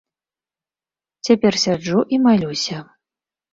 Цяпер сяджу і малюся.